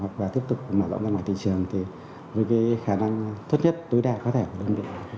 hoặc tiếp tục mở rộng ra ngoài thị trường với khả năng thuất nhất tối đa có thể của đơn vị